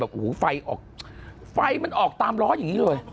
แบบฟัยออกมันออกตามร้อยอย่างนี้เลย